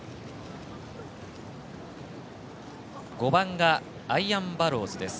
５番アイアンバローズです。